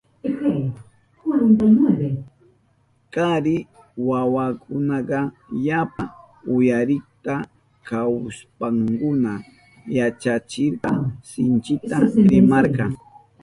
Kari wawakunaka yapa uyarikta kahushpankuna yachachikka sinchita rimarka.